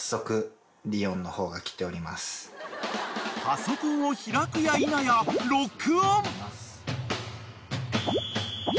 ［パソコンを開くやいなやロックオン］